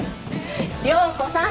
涼子さん